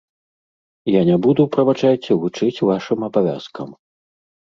Я не буду, прабачайце, вучыць вашым абавязкам.